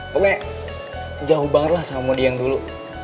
pokoknya jauh banget lah sama dia yang dulu